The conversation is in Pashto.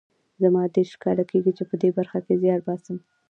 زما دېرش کاله کېږي چې په دې برخه کې زیار باسم